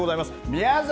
宮崎